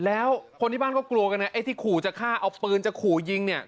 แล้วคนที่บ้านก็กลัวกันนะไอ้ที่ขู่จะฆ่าเอาปืนจะขู่ยิงเนี่ย